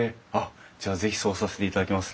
じゃあ是非そうさせていただきます。